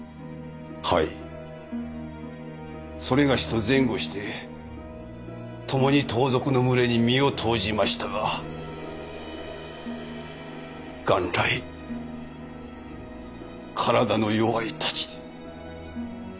某と前後して共に盗賊の群れに身を投じましたが元来体の弱いたちで。